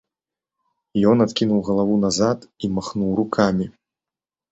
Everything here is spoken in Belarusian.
Ён адкінуў галаву назад і махнуў рукамі.